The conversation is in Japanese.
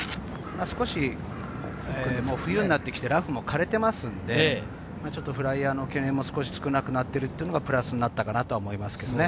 冬になってきてラフも枯れていますので、フライヤーの懸念も少なくなっているのがプラスになったかなと思います。